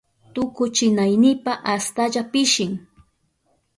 Tukuchinaynipa astalla pishin.